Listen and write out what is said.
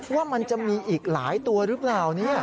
ว่ามันจะมีอีกหลายตัวหรือเปล่า